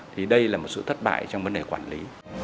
thì đây là một sự thất bại trong vấn đề quản lý